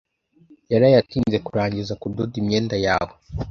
Yaraye atinze kurangiza kudoda imyenda yawe.